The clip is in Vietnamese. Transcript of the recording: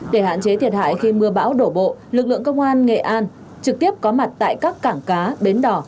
để hạn chế thiệt hại khi mưa bão đổ bộ lực lượng công an nghệ an trực tiếp có mặt tại các cảng cá bến đỏ